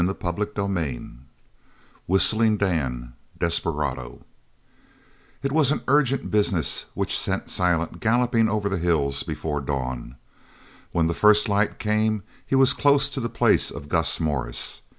CHAPTER XXVIII WHISTLING DAN, DESPERADO It was an urgent business which sent Silent galloping over the hills before dawn. When the first light came he was close to the place of Gus Morris.